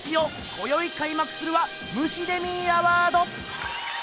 こよいかいまくするはムシデミーアワード！